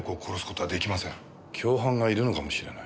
共犯がいるのかもしれない。